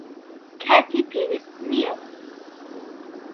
کاتی پێویست نییە.